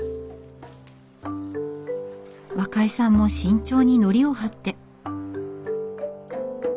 若井さんも慎重に海苔を貼って。